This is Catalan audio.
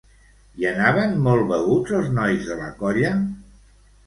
Hi anaven molt beguts els nois de la colla?